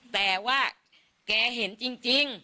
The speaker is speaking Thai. แต่ว่าแกเห็นจริง